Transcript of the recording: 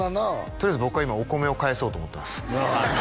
とりあえず僕は今お米を返そうと思ってます